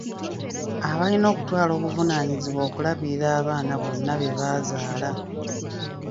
Abalina okutwala obuvunaanyizibwa okulabirira abaana bonna be bazaala.